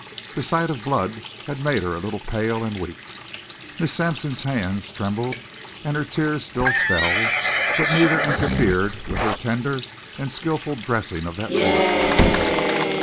The sight of blood had made her a little pale and weak. Miss Sampson's hands trembled and her tears still fell, but neither interfered with her tender and skillful dressing of that bullet wound.